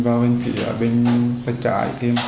sau đó em điều khiển xe vào trường ngân hàng việt vinh banh